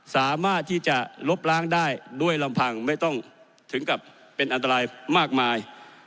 สามารถที่จะลบล้างได้ด้วยลำพังไม่ต้องถึงกับเป็นอันตรายมากมาย